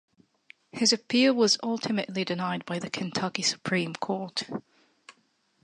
His appeal was ultimately denied by the Kentucky Supreme Court.